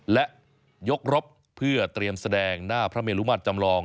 และยกรบเพื่อเตรียมแสดงหน้าพระเมลุมาตรจำลอง